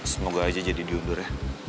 semoga aja jadi diubur ya